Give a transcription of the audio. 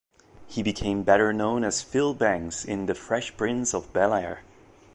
He became better known as Phil Banks in "The Fresh Prince of Bel-Air".